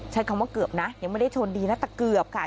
ใช้คำว่าเกือบนะยังไม่ได้ชนดีนะแต่เกือบค่ะ